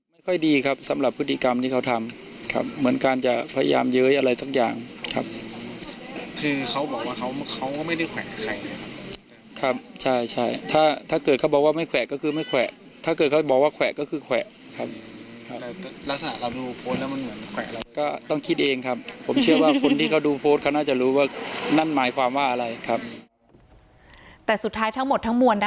ไม่ค่อยดีครับสำหรับพฤติกรรมที่เขาทำครับเหมือนการจะพยายามเย้ยอะไรสักอย่างครับคือเขาบอกว่าเขาเขาก็ไม่ได้แขวนใครครับใช่ใช่ถ้าถ้าเกิดเขาบอกว่าไม่แขวะก็คือไม่แขวะถ้าเกิดเขาบอกว่าแขวะก็คือแขวะครับผมเชื่อว่าคนที่เขาดูโพสต์เขาน่าจะรู้ว่านั่นหมายความว่าอะไรครับแต่สุดท้ายทั้งหมดทั้งมวล